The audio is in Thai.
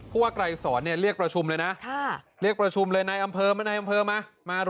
ผู้ว่ากลายสอนเรียกประชุมเลยนะเรียกประชุมเลยนะในอำเภอมา